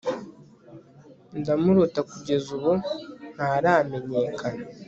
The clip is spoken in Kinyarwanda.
Ndamurota kugeza ubu ntaramenyekana